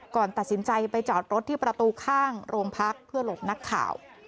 ก่อนตัดสินใจไปจอดรถที่ประตูข้างโรงพักเพื่อหลบนักข่าว